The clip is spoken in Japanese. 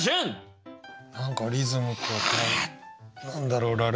何だろう